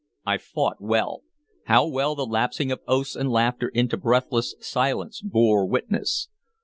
I fought well, how well the lapsing of oaths and laughter into breathless silence bore witness.